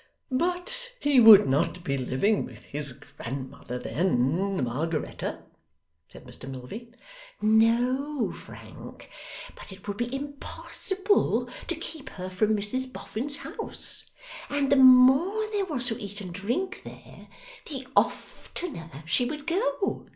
'But he would not be living with his grandmother then, Margaretta,' said Mr Milvey. 'No, Frank, but it would be impossible to keep her from Mrs Boffin's house; and the MORE there was to eat and drink there, the oftener she would go.